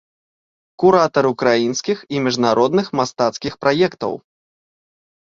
Куратар ўкраінскіх і міжнародных мастацкіх праектаў.